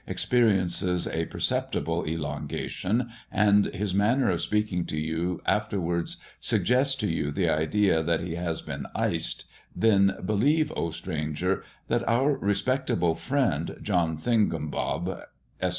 experiences a perceptible elongation, and his manner of speaking to you afterwards suggests to you the idea that he has been iced, then believe, O stranger, that our respectable friend, John Thingumbob, Esq.